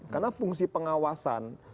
karena fungsi pengawasan